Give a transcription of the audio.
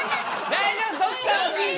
大丈夫！